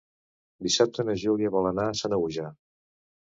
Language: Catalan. Dissabte na Júlia vol anar a Sanaüja.